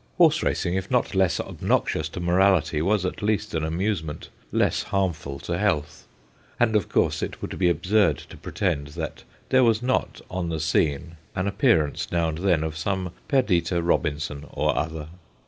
Horse racing, if not less obnoxious to morality, was at least an amusement less harmful to health. And, of course, it would be absurd to pretend that there was not on the scene an appearance, now and then, of some Perdita Robinson or other.